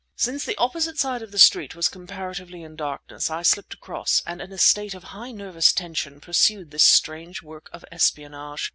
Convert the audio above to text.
Since the opposite side of the street was comparatively in darkness, I slipped across, and in a state of high nervous tension pursued this strange work of espionage.